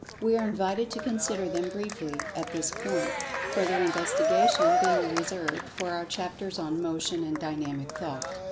We are invited to consider them briefly, at this point, further investigation being reserved for our chapters on Motion, and Dynamic Thought.